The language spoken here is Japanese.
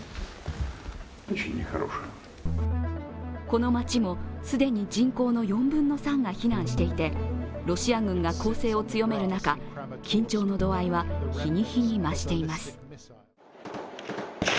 この街も既に人口の４分３が避難していてロシア軍が攻勢を強める中、緊張の度合いは日に日に増しています。